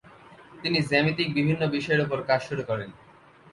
তিনি জ্যামিতিক বিভিন্ন বিষয়ের উপর কাজ শুরু করেন।